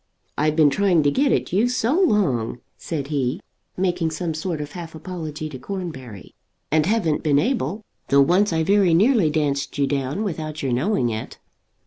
"I've been trying to get at you so long," said he, making some sort of half apology to Cornbury, "and haven't been able; though once I very nearly danced you down without your knowing it."